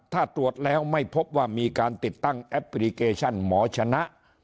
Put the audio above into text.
ถ้าตรวจแล้วไม่พบว่ามีการติดตั้งแอปพลิเคชันหมอชนะ